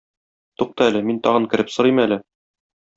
Тукта әле, мин тагын кереп сорыйм әле.